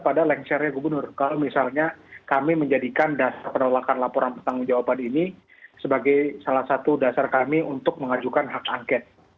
pada lengsernya gubernur kalau misalnya kami menjadikan dasar penolakan laporan pertanggung jawaban ini sebagai salah satu dasar kami untuk mengajukan hak angket